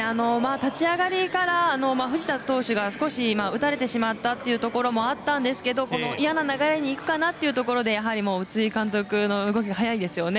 立ち上がりから藤田投手が、少し打たれてしまったというところがあったんですけれどもこのいやな流れにいくかなというところでやはり宇津木監督の動きが早いですよね